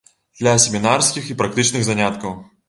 Для семінарскіх і практычных заняткаў.